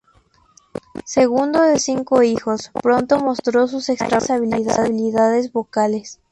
Segundo de cinco hijos, pronto mostró sus extraordinarias habilidades vocales.